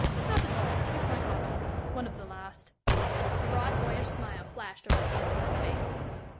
"Not at all. It's my hobby one of the last." A broad, boyish smile flashed over the handsome old face.